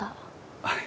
はい。